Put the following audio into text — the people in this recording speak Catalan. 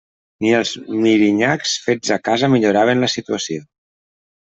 Ni els mirinyacs fets a casa milloraven la situació.